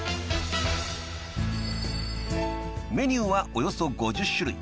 ［メニューはおよそ５０種類］